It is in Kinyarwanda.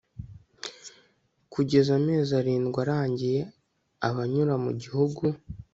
kugeza amezi arindwi arangiye Abanyura mu gihugu